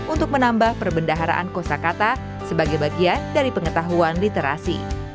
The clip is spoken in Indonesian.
untuk menambah perbendaharaan kosa kata sebagai bagian dari pengetahuan literasi